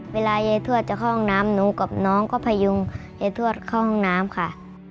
เวลายายทวดจะเข้าห้องน้ำหนูกับน้องก็พยุงยายทวดเข้าห้องน้ำค่ะ